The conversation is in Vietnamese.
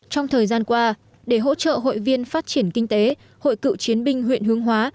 trong thời gian qua để hỗ trợ hội viên phát triển kinh tế hội cựu chiến binh huyện hướng hóa